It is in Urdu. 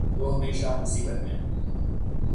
وہ ہمیشہ مصیبت میں